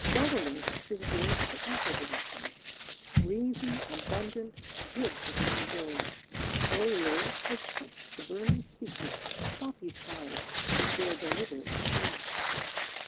Bobolink is voice for apple blossom, Breezy, abundant, good for human joys; Oriole has touched the burning secret Poppies hide with their deliberate poise.